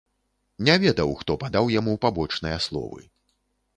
Не ведаў, хто падаў яму пабочныя словы.